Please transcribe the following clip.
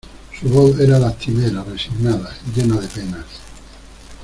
su voz era lastimera, resignada , llena de penas: